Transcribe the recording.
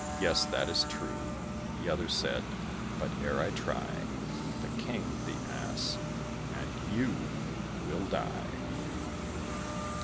"Yes, that is true," The other said; "but ere I try, The king, the ass, and you will die."